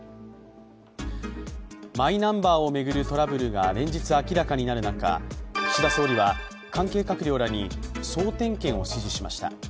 マイナンバーを巡るトラブルが連日明らかになる中、岸田総理は関係閣僚らに総点検を指示しました。